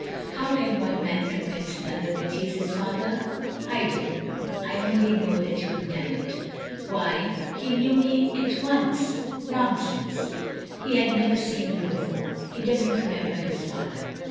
"How can one man convince another that he's his father?" "I don't know. I only know that you have done it." "Why, he knew me at once!" "Nonsense! He had never seen you before; he doesn't remember his father."